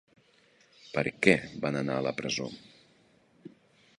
Per què van anar a la presó?